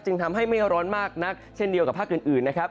ทำให้ไม่ร้อนมากนักเช่นเดียวกับภาคอื่นนะครับ